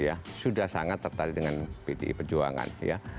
ya sudah sangat tertarik dengan pdi perjuangan ya